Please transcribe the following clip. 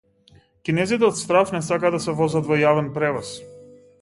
Кинезите од страв не сакаат да се возат во јавен превоз